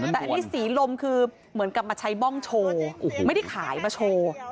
แต่อันนี้สีลมคือเหมือนกับมาใช้บ้องโชว์ไม่ได้ขายมาโชว์